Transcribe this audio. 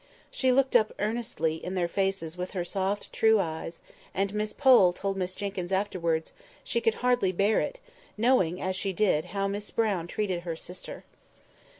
She looked up earnestly in their faces with her soft true eyes, and Miss Pole told Miss Jenkyns afterwards she could hardly bear it, knowing, as she did, how Miss Brown treated her sister.